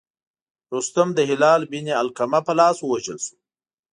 رستم د هلال بن علقمه په لاس ووژل شو.